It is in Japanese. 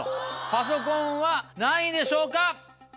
パソコンは何位でしょうか？